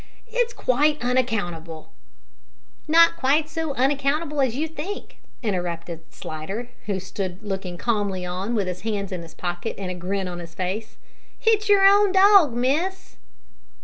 It is quite unaccountable " "Not quite so unaccountable as you think," interrupted Slidder, who stood looking calmly on, with his hands in his pockets and a grin on his face. "It's your own dog, miss."